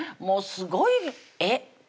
もうすごいえっ？